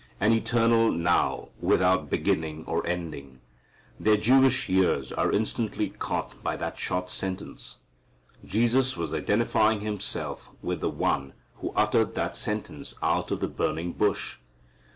An eternal now without beginning or ending. Their Jewish ears are instantly caught by that short sentence. Jesus was identifying Himself with the One who uttered that sentence out of the burning bush!